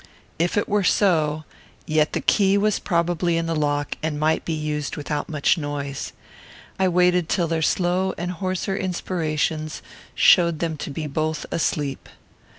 If it were so, yet the key was probably in the lock, and might be used without much noise. I waited till their slow and hoarser inspirations showed them to be both asleep.